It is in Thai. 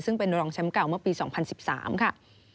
ซึ่งเป็นรองแชมป์เก่าเมื่อปี๒๐๑๓ค่ะ